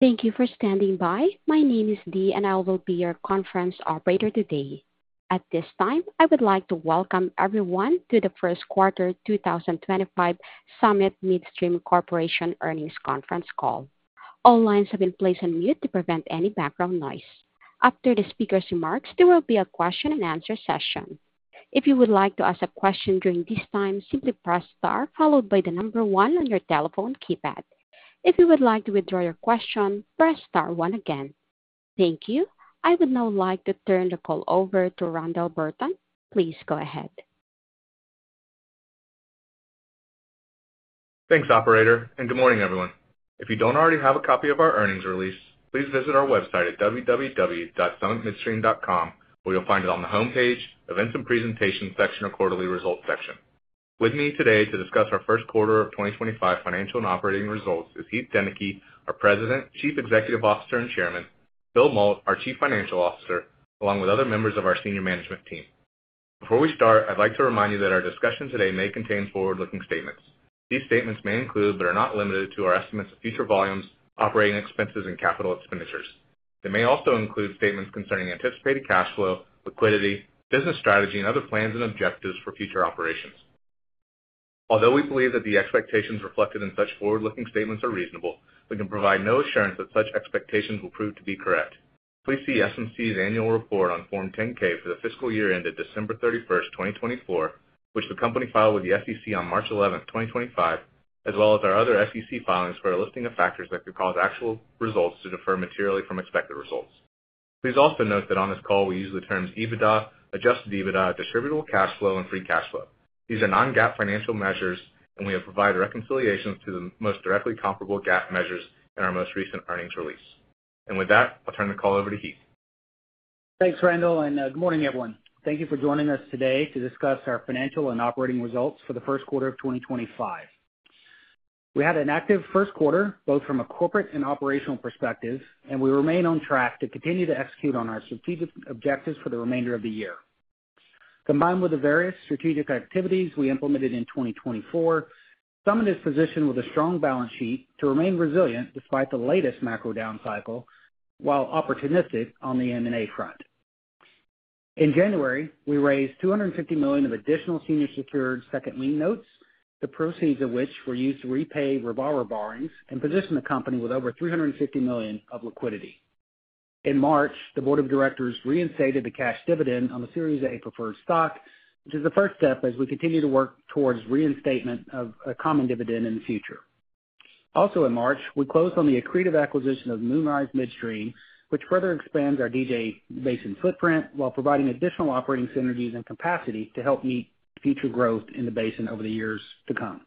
Thank you for standing by. My name is Dee, and I will be your conference operator today. At this time, I would like to welcome everyone to the First Quarter 2025 Summit Midstream Corporation earnings conference Call. All lines have been placed on mute to prevent any background noise. After the speaker's remarks, there will be a question-and-answer session. If you would like to ask a question during this time, simply press Star, followed by the number one on your telephone keypad. If you would like to withdraw your question, press Star one again. Thank you. I would now like to turn the call over to Randall Burton. Please go ahead. Thanks, Operator, and good morning, everyone. If you don't already have a copy of our earnings release, please visit our website at www.summitmidstream.com, where you'll find it on the homepage, Events and Presentations section, or Quarterly Results section. With me today to discuss our First Quarter of 2025 financial and operating results is Heath Deneke, our President, Chief Executive Officer and Chairman; Bill Mault, our Chief Financial Officer, along with other members of our Senior Management Team. Before we start, I'd like to remind you that our discussion today may contain forward-looking statements. These statements may include, but are not limited to, our estimates of future volumes, operating expenses, and capital expenditures. They may also include statements concerning anticipated cash flow, liquidity, business strategy, and other plans and objectives for future operations. Although we believe that the expectations reflected in such forward-looking statements are reasonable, we can provide no assurance that such expectations will prove to be correct. Please see Summit Midstream Corporation's annual report on Form 10-K for the fiscal year ended December 31, 2024, which the company filed with the SEC on March 11, 2025, as well as our other SEC filings for a listing of factors that could cause actual results to differ materially from expected results. Please also note that on this call we use the terms EBITDA, adjusted EBITDA, distributable cash flow, and free cash flow. These are non-GAAP financial measures, and we have provided reconciliations to the most directly comparable GAAP measures in our most recent earnings release. With that, I'll turn the call over to Heath. Thanks, Randall, and good morning, everyone. Thank you for joining us today to discuss our financial and operating results for the first quarter of 2025. We had an active first quarter, both from a corporate and operational perspective, and we remain on track to continue to execute on our strategic objectives for the remainder of the year. Combined with the various strategic activities we implemented in 2024, Summit is positioned with a strong balance sheet to remain resilient despite the latest macro down cycle, while opportunistic on the M&A front. In January, we raised $250 million of additional senior-secured second-line notes, the proceeds of which were used to repay revolver borrowings and position the company with over $350 million of liquidity. In March, the Board of Directors reinstated the cash dividend on the Series A preferred stock, which is the first step as we continue to work towards reinstatement of a common dividend in the future. Also, in March, we closed on the accretive acquisition of Moonrise Midstream, which further expands our DJ Basin footprint while providing additional operating synergies and capacity to help meet future growth in the basin over the years to come.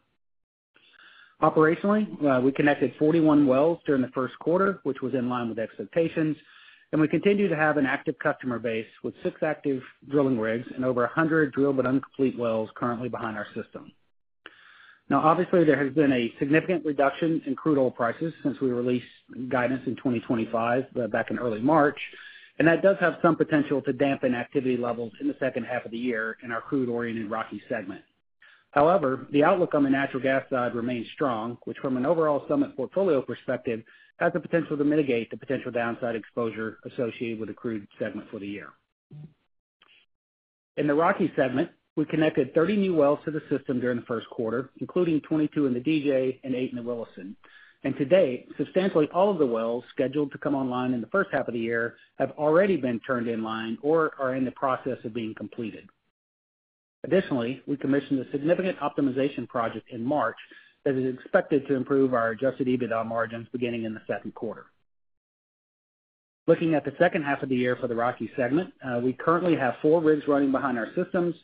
Operationally, we connected 41 wells during the first quarter, which was in line with expectations, and we continue to have an active customer base with six active drilling rigs and over 100 drilled but uncompleted wells currently behind our system. Now, obviously, there has been a significant reduction in crude oil prices since we released guidance in 2025 back in early March, and that does have some potential to dampen activity levels in the second half of the year in our crude-oriented Rocky segment. However, the outlook on the natural gas side remains strong, which, from an overall Summit portfolio perspective, has the potential to mitigate the potential downside exposure associated with the crude segment for the year. In the Rocky segment, we connected 30 new wells to the system during the first quarter, including 22 in the DJ and 8 in the Williston, and to date, substantially all of the wells scheduled to come online in the first half of the year have already been turned in line or are in the process of being completed. Additionally, we commissioned a significant optimization project in March that is expected to improve our adjusted EBITDA margins beginning in the second quarter. Looking at the second half of the year for the Rocky segment, we currently have four rigs running behind our systems,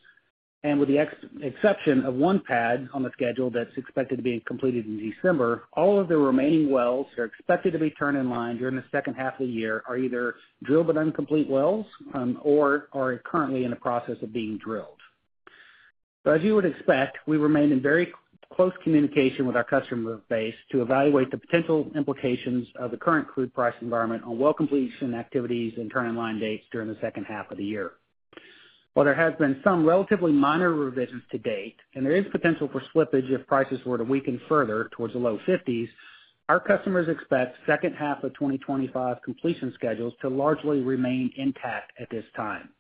and with the exception of one pad on the schedule that is expected to be completed in December, all of the remaining wells are expected to be turned in line during the second half of the year. They are either drilled but uncompleted wells or are currently in the process of being drilled. As you would expect, we remain in very close communication with our customer base to evaluate the potential implications of the current crude price environment on well completion activities and turn-in-line dates during the second half of the year. While there have been some relatively minor revisions to date, and there is potential for slippage if prices were to weaken further towards the low $50s, our customers expect second half of 2025 completion schedules to largely remain intact at this time.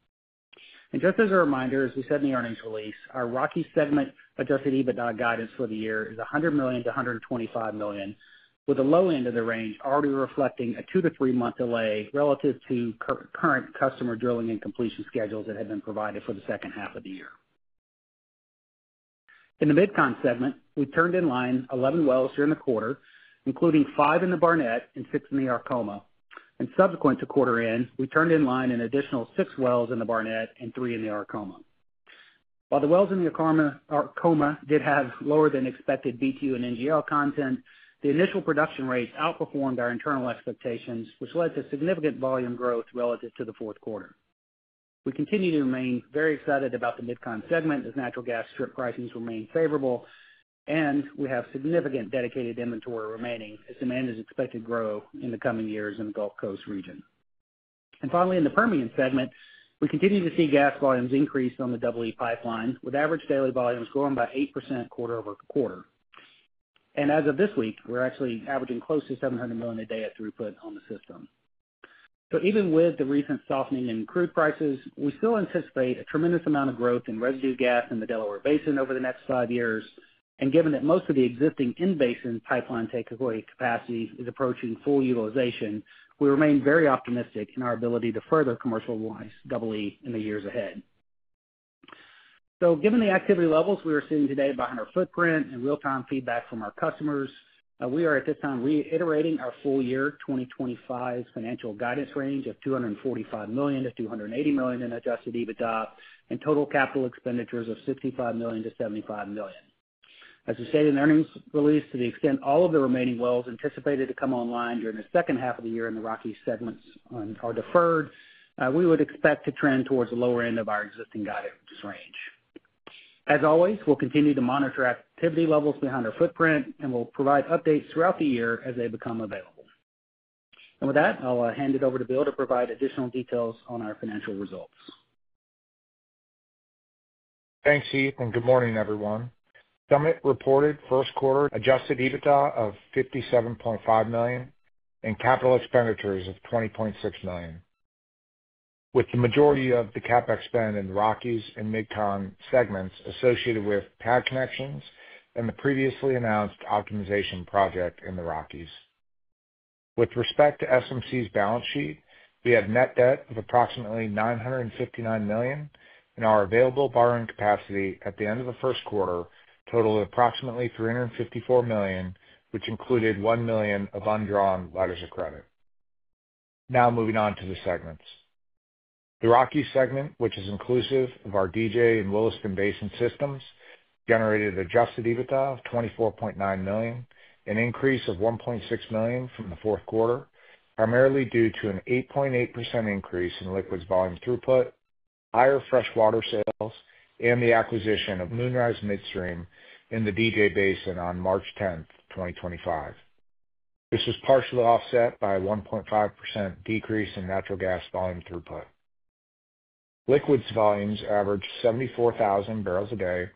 Just as a reminder, as we said in the earnings release, our Rocky segment adjusted EBITDA guidance for the year is $100 million-$125 million, with the low end of the range already reflecting a two to three-month delay relative to current customer drilling and completion schedules that have been provided for the second half of the year. In the Midcon segment, we turned in line 11 wells during the quarter, including five in the Barnett and six in the Arkoma, and subsequent to quarter-end, we turned in line an additional six wells in the Barnett and three in the Arkoma. While the wells in the Arkoma did have lower than expected BTU and NGL content, the initial production rates outperformed our internal expectations, which led to significant volume growth relative to the fourth quarter. We continue to remain very excited about the Midcon segment as natural gas strip prices remain favorable, and we have significant dedicated inventory remaining as demand is expected to grow in the coming years in the Gulf Coast region. Finally, in the Permian segment, we continue to see gas volumes increase on the WE pipeline, with average daily volumes growing by 8% quarter over quarter. As of this week, we're actually averaging close to $700 million a day at throughput on the system. Even with the recent softening in crude prices, we still anticipate a tremendous amount of growth in residue gas in the Delaware Basin over the next five years. Given that most of the existing in-basin pipeline takeaway capacity is approaching full utilization, we remain very optimistic in our ability to further commercialize WE in the years ahead. Given the activity levels we are seeing today behind our footprint and real-time feedback from our customers, we are at this time reiterating our full year 2025 financial guidance range of $245 million-$280 million in adjusted EBITDA and total capital expenditures of $65 million-$75 million. As we stated in the earnings release, to the extent all of the remaining wells anticipated to come online during the second half of the year in the Rockies segments are deferred, we would expect to trend towards the lower end of our existing guidance range. As always, we will continue to monitor activity levels behind our footprint, and we will provide updates throughout the year as they become available. With that, I'll hand it over to Bill to provide additional details on our financial results. Thanks, Heath, and good morning, everyone. Summit reported first quarter adjusted EBITDA of $57.5 million and capital expenditures of $20.6 million, with the majority of the CapEx spend in the Rockies and Midcon segments associated with pad connections and the previously announced optimization project in the Rockies. With respect to SMC's balance sheet, we have net debt of approximately $959 million and our available borrowing capacity at the end of the first quarter totaled approximately $354 million, which included $1 million of undrawn letters of credit. Now moving on to the segments. The Rockies segment, which is inclusive of our DJ and Williston basin systems, generated adjusted EBITDA of $24.9 million, an increase of $1.6 million from the fourth quarter, primarily due to an 8.8% increase in liquids volume throughput, higher freshwater sales, and the acquisition of Moonrise Midstream in the DJ Basin on March 10, 2025. This was partially offset by a 1.5% decrease in natural gas volume throughput. Liquids volumes averaged 74,000 barrels per day,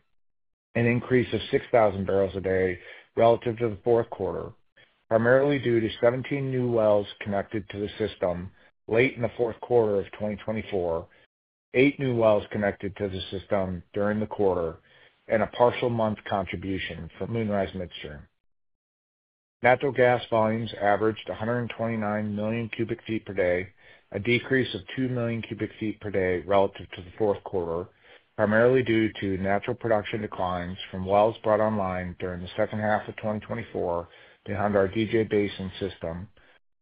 an increase of 6,000 barrels per day relative to the fourth quarter, primarily due to 17 new wells connected to the system late in the fourth quarter of 2024, eight new wells connected to the system during the quarter, and a partial month contribution from Moonrise Midstream. Natural gas volumes averaged 129 million cubic feet per day, a decrease of 2 million cubic feet per day relative to the fourth quarter, primarily due to natural production declines from wells brought online during the second half of 2024 to hunt our DJ Basin system,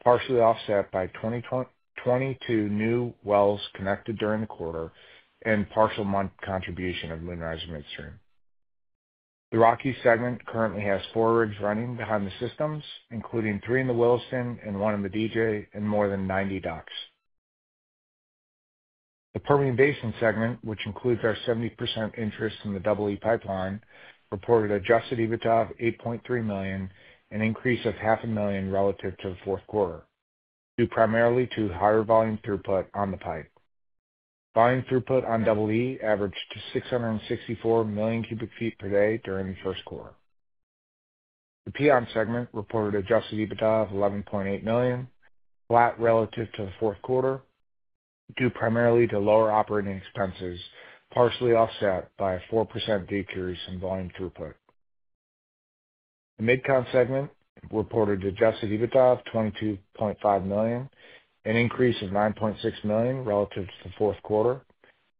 partially offset by 22 new wells connected during the quarter and partial month contribution of Moonrise Midstream. The Rockies segment currently has four rigs running behind the systems, including three in the Williston and one in the DJ and more than 90 docks. The Permian Basin segment, which includes our 70% interest in the WE pipeline, reported adjusted EBITDA of $8.3 million, an increase of $500,000 relative to the fourth quarter, due primarily to higher volume throughput on the pipe. Volume throughput on WE averaged 664 million cubic feet per day during the first quarter. The Piceance segment reported adjusted EBITDA of $11.8 million, flat relative to the fourth quarter, due primarily to lower operating expenses, partially offset by a 4% decrease in volume throughput. The Midcon segment reported adjusted EBITDA of $22.5 million, an increase of $9.6 million relative to the fourth quarter,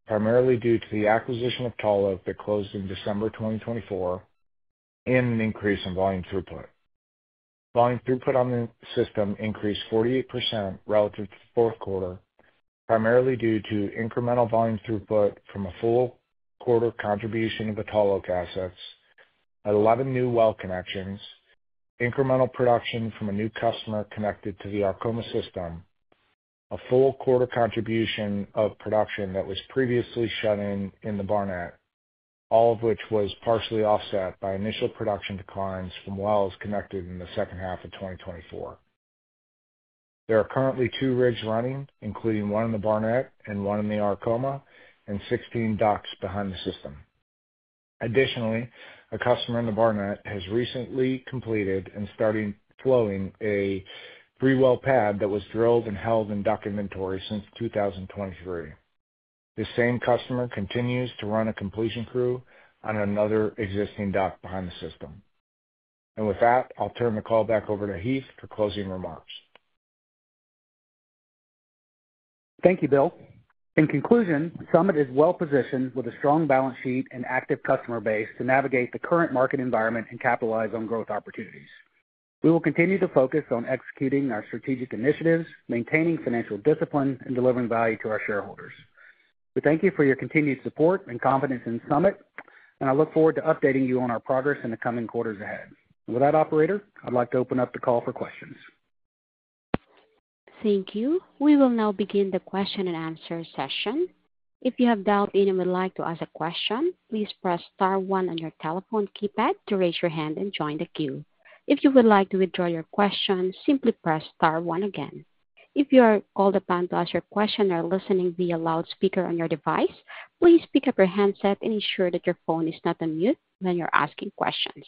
primarily due to the acquisition of Tall Oak that closed in December 2024 and an increase in volume throughput. Volume throughput on the system increased 48% relative to the fourth quarter, primarily due to incremental volume throughput from a full quarter contribution of the Tall Oak assets, 11 new well connections, incremental production from a new customer connected to the Arkoma system, a full quarter contribution of production that was previously shut in in the Barnett, all of which was partially offset by initial production declines from wells connected in the second half of 2024. There are currently two rigs running, including one in the Barnett and one in the Arkoma, and 16 docks behind the system. Additionally, a customer in the Barnett has recently completed and started flowing a three-well pad that was drilled and held in dock inventory since 2023. This same customer continues to run a completion crew on another existing dock behind the system. With that, I'll turn the call back over to Heath for closing remarks. Thank you, Bill. In conclusion, Summit is well positioned with a strong balance sheet and active customer base to navigate the current market environment and capitalize on growth opportunities. We will continue to focus on executing our strategic initiatives, maintaining financial discipline, and delivering value to our shareholders. We thank you for your continued support and confidence in Summit, and I look forward to updating you on our progress in the coming quarters ahead. With that, Operator, I'd like to open up the call for questions. Thank you. We will now begin the question and answer session. If you have a doubt and would like to ask a question, please press star one on your telephone keypad to raise your hand and join the queue. If you would like to withdraw your question, simply press star one again. If you are called upon to ask your question or are listening via loudspeaker on your device, please pick up your handset and ensure that your phone is not on mute when you're asking questions.